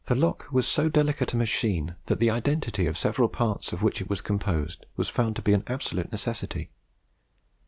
The lock was so delicate a machine, that the identity of the several parts of which it was composed was found to be an absolute necessity.